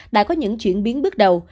đã có những chuyển biến bước đầu